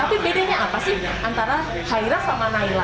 tapi bedanya apa sih antara haira sama naila